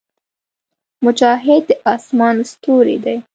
مجاهد د اسمان ستوری دی.